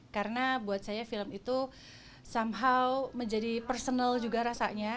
karena buat saya film itu somehow menjadi personal juga rasanya